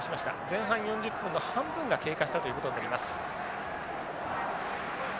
前半４０分の半分が経過したということになります。